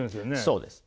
そうです。